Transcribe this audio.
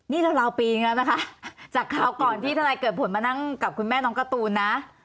นี่ราวปีนึงแล้วนะคะจากคราวก่อนที่ทนายเกิดผลมานั่งกับคุณแม่น้องการ์ตูนนะ